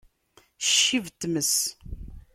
Ccib n tmes!